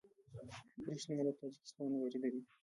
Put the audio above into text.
بریښنا له تاجکستان واردوي